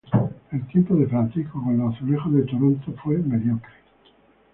El tiempo de Francisco con los Azulejos de Toronto fue mediocre.